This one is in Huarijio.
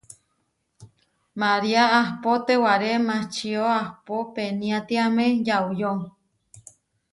María ahpó tewaré mačió ahpó peniátiame yauyó.